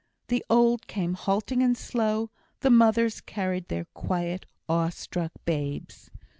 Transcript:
The old came halting and slow the mothers carried their quiet, awe struck babes.